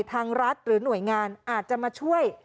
ทางรัฐหรือหน่วยงานอาจจะมาช่วย